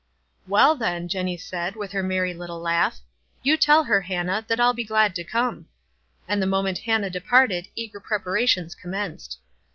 "Well, then," Jenny said, with her merry little laugh, "you tell her, Hannah, that I'll be glad to come." And the moment Hannah de parted eager preparations commenced.